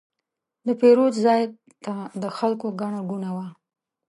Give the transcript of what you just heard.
د پیرود ځای ته د خلکو ګڼه ګوڼه وه.